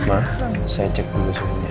ma saya cek dulu suhunya ya